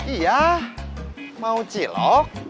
iya mau cilok